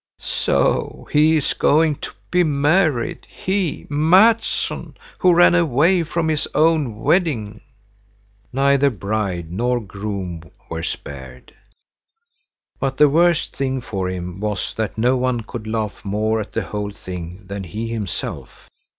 "So he is going to be married, he, Mattsson, who ran away from his own wedding!" Neither bride nor groom were spared. But the worst thing for him was that no one could laugh more at the whole thing than he himself.